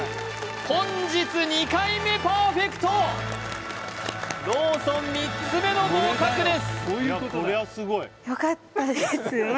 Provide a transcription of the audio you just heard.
本日２回目パーフェクトローソン３つ目の合格です